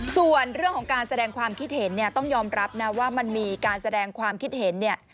ส่วนเรื่องของการแสดงความคิดเห็นเนี่ยต้องยอมรับนะว่ามันมีการแสดงความคิดเห็นเนี่ย